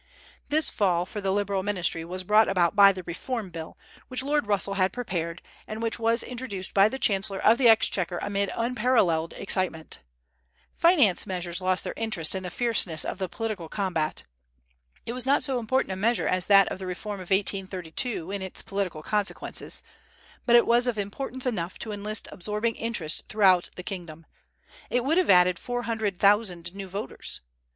This fall of the Liberal ministry was brought about by the Reform Bill, which Lord Russell had prepared, and which was introduced by the chancellor of the exchequer amid unparalleled excitement. Finance measures lost their interest in the fierceness of the political combat. It was not so important a measure as that of the reform of 1832 in its political consequences, but it was of importance enough to enlist absorbing interest throughout the kingdom; it would have added four hundred thousand new voters.